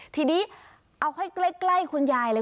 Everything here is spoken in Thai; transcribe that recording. ทีนี้เอาให้ใกล้คุณยายเลย